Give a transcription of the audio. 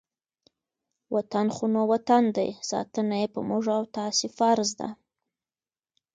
وطن خو نو وطن دی، ساتنه یې په موږ او تاسې فرض ده.